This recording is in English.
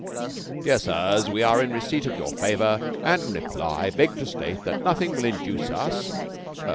"Dear Sirs: We are in receipt of your favour and in reply beg to state that nothing will induce us